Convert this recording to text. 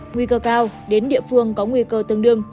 nguy cơ cao đến địa phương có nguy cơ tương đương